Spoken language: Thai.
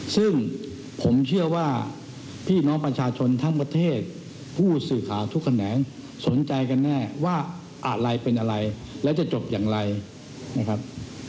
ซึ่งผมเชื่อว่าพี่น้องประชาชนทั้งประเทศผู้สื่อข่าวทุกแขนงสนใจกันแน่ว่าอะไรเป็นอะไรแล้วจะจบอย่างไรนะครับ